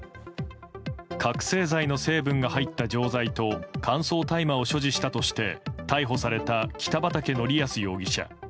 覚醒剤の成分が入った錠剤と乾燥大麻を所持したとして逮捕された北畠成文容疑者。